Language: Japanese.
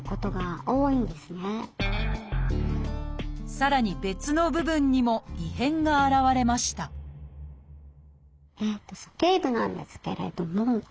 さらに別の部分にも異変が現れました鼠径部なんですけれども。